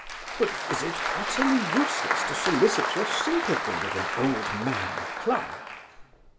But is it utterly useless to solicit your sympathy with an old man, Clara?"